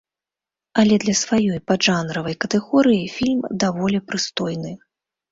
Але для сваёй паджанравай катэгорыі фільм даволі прыстойны.